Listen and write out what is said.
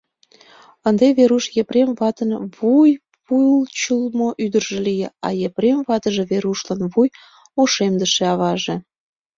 Ынде Веруш Епрем ватын вуйпулчымо ӱдыржӧ лие, а Епрем ватыже Верушлан — вуй ошемдыше аваже.